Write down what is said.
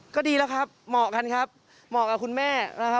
ก็ดีแล้วครับเหมาะกันครับเหมาะกับคุณแม่นะครับ